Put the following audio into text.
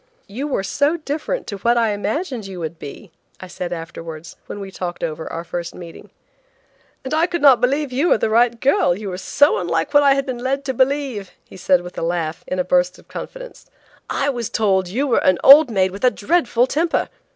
"You were so different to what I imagined you would be," I said afterwards, when we talked over our first meeting. "And I could not believe you were the right girl, you were so unlike what I had been led to believe," he said, with a laugh, in a burst of confidence. "I was told that you were an old maid with a dreadful temper.